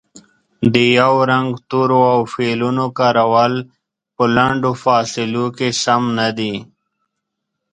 د یو رنګه تورو او فعلونو کارول په لنډو فاصلو کې سم نه دي